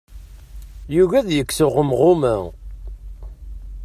Yugi ad yekkes uɣemɣum-a.